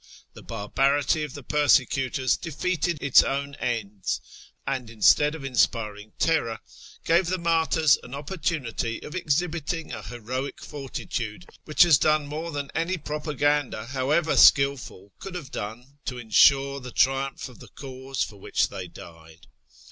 The barbarity of the persecutors defeated its o\vn ends, and, instead of inspiring terror, gave the martyrs an opportunity of exhibiting a lieroic fortitude which has done more than any propaganda, however skilful, could have done to ensure the triumph of the cause for which they died.